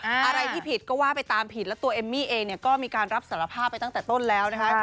อะไรที่ผิดก็ว่าไปตามผิดแล้วตัวเอมมี่เองเนี่ยก็มีการรับสารภาพไปตั้งแต่ต้นแล้วนะคะ